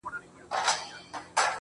دومره ناهیلې ده چي ټول مزل ته رنگ ورکوي